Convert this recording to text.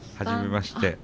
初めまして。